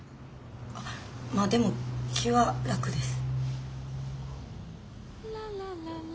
まあでも気は楽です。